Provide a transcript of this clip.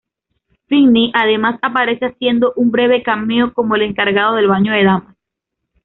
Finney además aparece haciendo un breve cameo como el encargado del baño de damas.